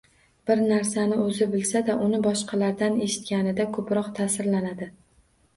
Bir narsani o‘zi bilsa-da, uni boshqalardan eshitganida ko‘proq ta’sirlanadi.